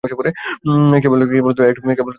কেবল একটা কামড়ের অপেক্ষা।